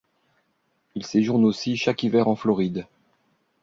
Il séjourne aussi chaque hiver en Floride.